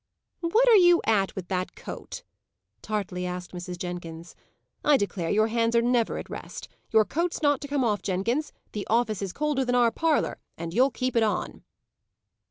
"What are you at with that coat?" tartly asked Mrs. Jenkins. "I declare your hands are never at rest. Your coat's not to come off, Jenkins. The office is colder than our parlour, and you'll keep it on."